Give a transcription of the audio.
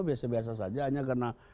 biasa biasa saja hanya karena